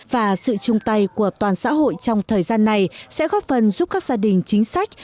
và sự chung tay của toàn xã hội trong thời gian này sẽ góp phần giúp các gia đình chính sách